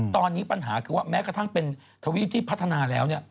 ตอนนี้ปัญหาคือว่าแม้กระทั่งเป็นทวีปที่พัฒนาแล้ว